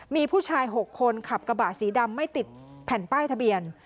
มีผู้ชาย๖คนขับกระบะสีดำไม่ติดแผ่นป้ายทะเบียน